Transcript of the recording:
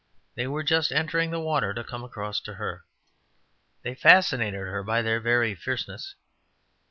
They were just entering the water to come across to her. They fascinated her by their very fierceness.